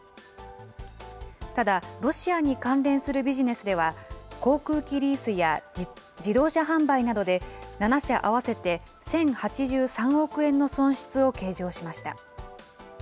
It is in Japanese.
ただ、ロシアに関連するビジネスでは、航空機リースや自動車販売などで、７社合わせて１０８３億円の損失を計上しました。